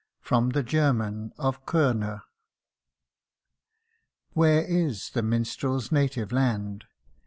FROM THE GERMAN OF KORNER. WHERE is the minstrers native land